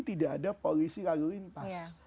tidak ada polisi lalu lintas